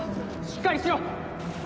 しっかりしろ！